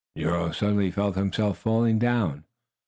Nero suddenly felt himself falling down.